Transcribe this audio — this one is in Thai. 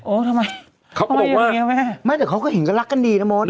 ทำไมเขาก็บอกว่าไม่แต่เขาก็เห็นก็รักกันดีนะมด